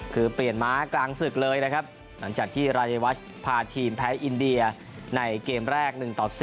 คือเปลี่ยนม้ากลางศึกเลยนะครับหลังจากที่รายวัชพาทีมแพ้อินเดียในเกมแรก๑ต่อ๔